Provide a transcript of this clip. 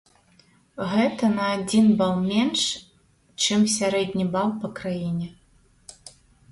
Гэта на адзін бал менш, чым сярэдні бал па краіне!